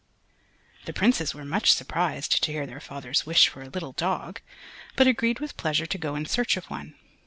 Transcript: The Princes were much surprised to hear their father's wish for a little dog, but agreed with pleasure to go in search of one.